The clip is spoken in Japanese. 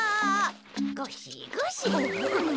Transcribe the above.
ゴシゴシ。